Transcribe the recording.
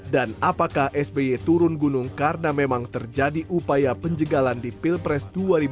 dan apakah sbi turun gunung karena memang terjadi upaya penjagalan di pilpres dua ribu dua puluh empat